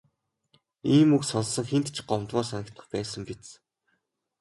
Ийм үг сонссон хэнд ч гомдмоор санагдах байсан биз.